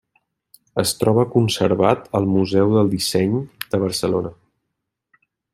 Es troba conservat al Museu del Disseny de Barcelona.